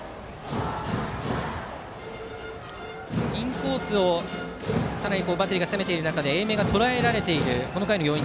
インコースをかなりバッテリーが攻めている中で英明がとらえられているこの回の要因